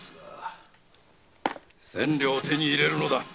千両手に入れるのだ。